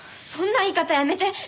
そんな言い方やめて！